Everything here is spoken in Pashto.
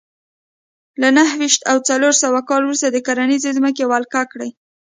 له نهه ویشت او څلور سوه کال وروسته د کرنیزې ځمکې ولکه کړې